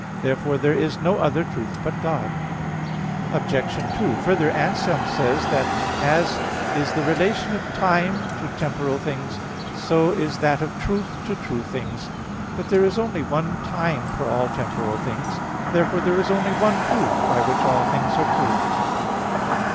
Therefore there is no other truth but God. Obj. 2: Further, Anselm says (De Verit. xiv), that, "as is the relation of time to temporal things, so is that of truth to true things." But there is only one time for all temporal things. Therefore there is only one truth, by which all things are true.